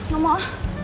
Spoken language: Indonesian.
gak mau ah